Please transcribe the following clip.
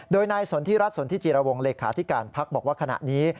โดยนายสนทิรัฐสนทิจิรวงเลขาธิการพักบอกว่าขณะนี้